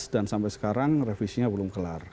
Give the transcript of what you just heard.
dua ribu tiga belas dan sampai sekarang revisi nya belum kelar